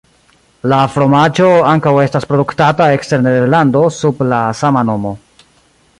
La fromaĝo ankaŭ estas produktata ekster Nederlando sub la sama nomo.